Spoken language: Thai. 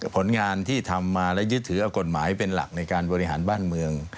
ผลงานที่ทำมาและยึดถือเอากฎหมายเป็นหลักในการบริหารบ้านเมือง